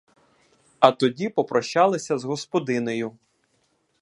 А тоді попрощалися з господинею.